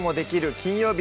金曜日」